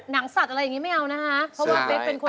หนังสัตว์อะไรอย่างงี้ไม่เอานะฮะ